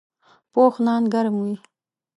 پوخ نان ګرم وي